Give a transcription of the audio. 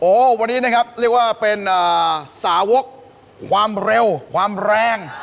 โอ้โหวันนี้นะครับเรียกว่าเป็นสาวกความเร็วความแรง